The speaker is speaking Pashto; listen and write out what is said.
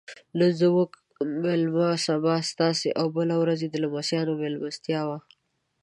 نن زموږ میلمه سبا ستاسې او بله ورځ یې د لمسیانو میلمستیا وه.